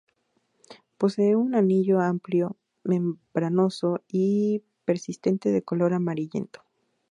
Posee un anillo amplio, membranoso y persistente de color amarillento.